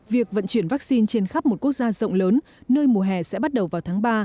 việc vận chuyển vaccine trên khắp một quốc gia rộng lớn nơi mùa hè sẽ bắt đầu vào tháng ba